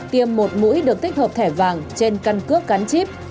tiêm một mũi được tích hợp thẻ vàng trên căn cước gắn chip